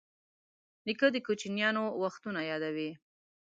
نیکه د کوچیانو وختونه یادوي.